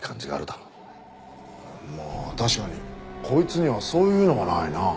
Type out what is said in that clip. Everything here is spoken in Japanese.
まあ確かにこいつにはそういうのはないな。